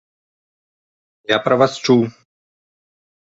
Я пра вас чуў.